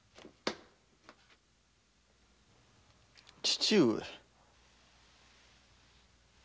父上。